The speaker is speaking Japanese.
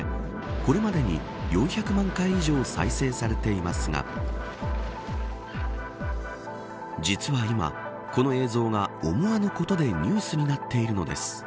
これまでに４００万回以上再生されていますが実は今、この映像が思わぬことでニュースになっているのです。